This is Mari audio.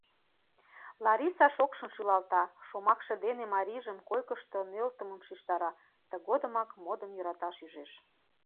— Лариса шокшын шӱлалта, шомакше дене марийжым койкышто нӧлтымым шижтара, тыгодымак модын йӧраташ ӱжеш.